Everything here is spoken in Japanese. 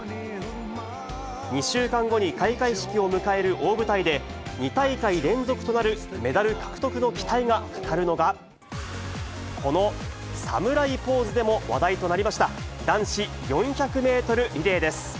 ２週間後に開会式を迎える大舞台で、２大会連続となるメダル獲得の期待がかかるのが、この侍ポーズでも話題となりました、男子４００メートルリレーです。